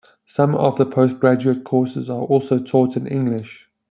Some of the postgraduate courses are also taught in English.